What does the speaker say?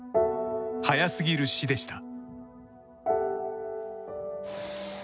早すぎる死でした。